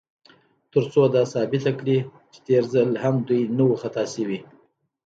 تر څو دا ثابته کړي، چې تېر ځل هم دوی نه و خطا شوي.